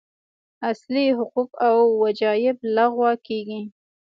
اصلي حقوق او وجایب لغوه کېږي.